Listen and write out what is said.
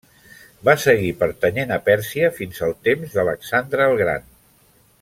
Va seguir pertanyent a Pèrsia fins al temps d'Alexandre el gran.